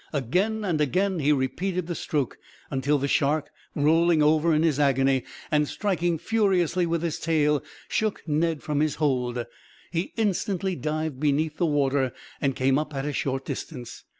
Again and again he repeated the stroke; until the shark, rolling over in his agony, and striking furiously with his tail, shook Ned from his hold. He instantly dived beneath the water, and came up at a short distance.